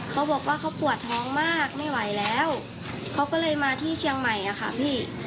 เขาบอกว่าเขาปวดท้องมากไม่ไหวแล้วเขาก็เลยมาที่เชียงใหม่อะค่ะพี่